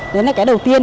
đó là cái đầu tiên